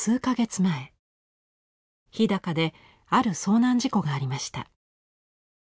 前日高である遭難事故がありました。